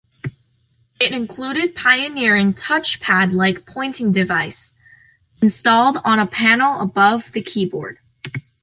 It included a pioneering touchpad-like pointing device, installed on a panel above the keyboard.